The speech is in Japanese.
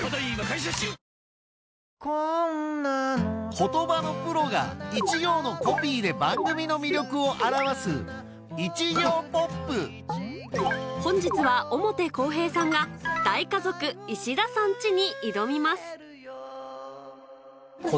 言葉のプロが一行のコピーで番組の魅力を表す本日は表公平さんが『大家族石田さんチ』に挑みます